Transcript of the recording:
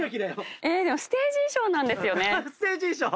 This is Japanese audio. でもステージ衣装なんですよね。